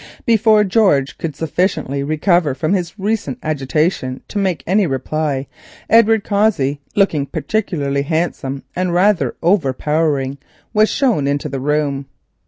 Before George could sufficiently recover from his recent agitation to make any reply, Edward Cossey, looking particularly handsome and rather overpowering, was shown into the room.